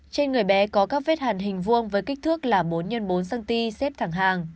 trên người bé có các vết hàn hình vuông với kích thước là bốn x bốn cm xếp thẳng hàng